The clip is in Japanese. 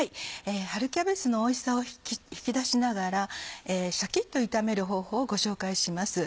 春キャベツのおいしさを引き出しながらシャキっと炒める方法をご紹介します。